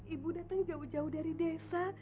ibu datang jauh jauh dari desa